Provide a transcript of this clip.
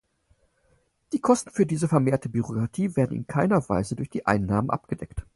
Die Kosten für diese vermehrte Bürokratie werden in keiner Weise durch die Einnahmen abgedeckt.